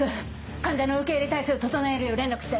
患者の受け入れ態勢を整えるよう連絡して。